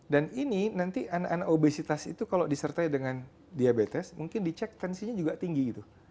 dan ini nanti anak anak obesitas itu kalau disertai dengan diabetes mungkin dicek tensinya juga tinggi gitu